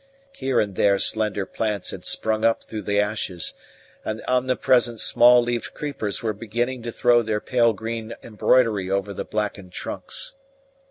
Here and there slender plants had sprung up through the ashes, and the omnipresent small leaved creepers were beginning to throw their pale green embroidery over the blackened trunks.